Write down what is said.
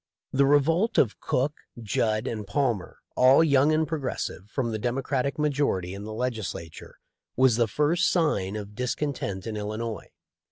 The revolt of Cook, Judd, and Palmer, all young and progressive, from the Democratic majority in the Legislature was the first sign of discontent in Illinois.